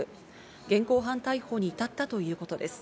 現行犯逮捕に至ったということです。